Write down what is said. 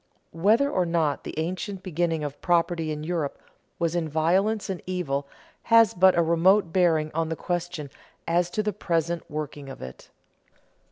Whether or not the ancient beginning of property in Europe was in violence and evil has but a remote bearing on the question as to the present working of it.